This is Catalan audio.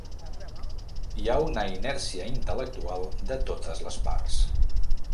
Hi ha una inèrcia intel·lectual de totes les parts.